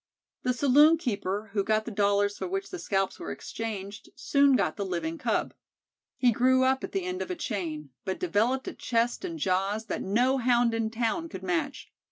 The saloon keeper, who got the dollars for which the scalps were exchanged, soon got the living Cub. He grew up at the end of a chain, but developed a chest and jaws that no Hound in town could match.